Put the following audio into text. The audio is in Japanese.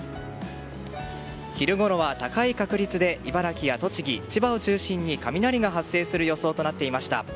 昼ごろは高い確率で茨城や栃木、千葉を中心に雷が発生する予想となっていました。